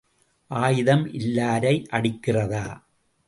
ஆயுதம் இல்லாரை அடிக்கிறதா?